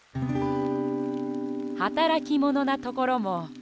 はたらきものなところもすきだね。